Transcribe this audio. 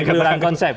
iya kekeliruan konsep